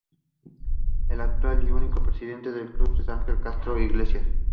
El actual y único presidente del club es Ángel Castro Iglesias.